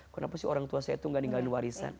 kenapa sih orang tua saya itu gak ninggalin warisan